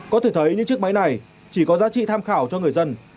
có thể thấy những chiếc máy này chỉ có giá trị tham khảo cho người dân